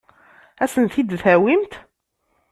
Ad asen-tent-id-tawimt?